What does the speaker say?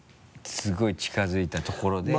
すごい近づいたところで。